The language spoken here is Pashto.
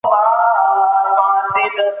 ځمکه هم دوی ته سخاوت ښیي.